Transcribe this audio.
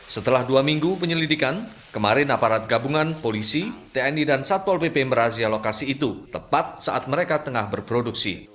setelah dua minggu penyelidikan kemarin aparat gabungan polisi tni dan satpol pp merazia lokasi itu tepat saat mereka tengah berproduksi